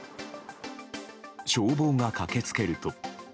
消防が駆け付けると。